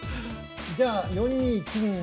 じゃあ４二金右で。